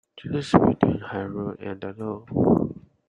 Choose between the high road and the low.